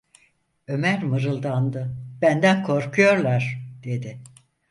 Ömer mırıldandı: "Benden korkuyorlar!" dedi.